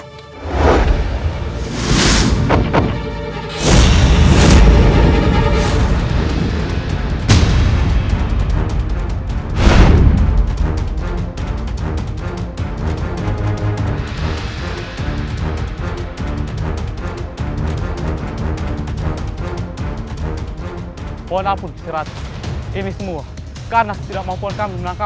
g pohon aku eger recuer cara ke satu ya performa satu